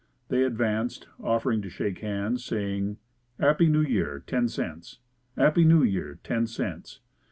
They advanced, offering to shake hands and saying, "'Appy New Year, ten cents." "'Appy New Year, ten cents."